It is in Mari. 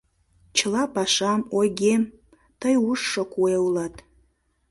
Чыла пашам, ойгем тый ужшо, куэ, улат!